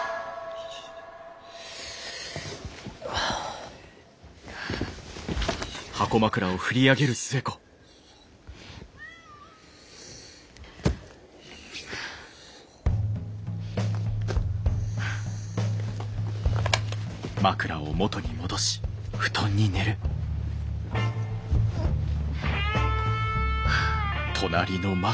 あ。はあ。はあ。はあ。